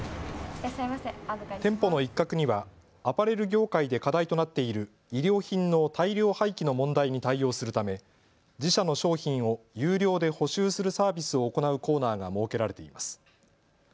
店舗の一角にはアパレル業界で課題となっている衣料品の大量廃棄の問題に対応するため自社の商品を有料で補修するサービスを行うコーナーが設けられています。